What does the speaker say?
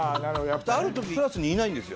ある時クラスにいないんですよ。